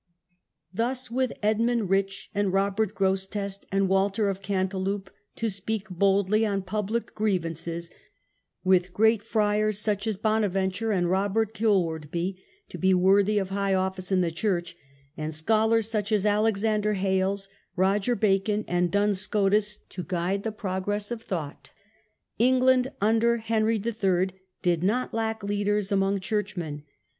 Thus, with Edmund Rich and Robert Grosseteste and Walter of Cantilupe to speak boldly on public grievances, with great friars such as Bonaventure and Robert Kil wardby to be worthy of high office in the church, and scholars such as Alexander Hales, Roger Bacon, and Duns Scotus to guide the progress of thought, England under Henry III. did not lads, leaders among church men.